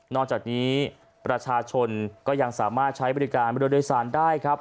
จากนี้ประชาชนก็ยังสามารถใช้บริการเรือโดยสารได้ครับ